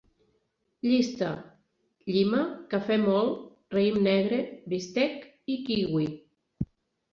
Llista: llima, cafè mòlt, raïm negre, bistec i kiwi